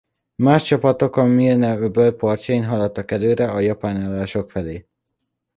Más csapatok a Milne-öböl partján haladtak előre a japán állások felé.